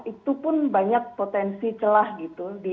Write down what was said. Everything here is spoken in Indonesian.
itu pun banyak potensi celah gitu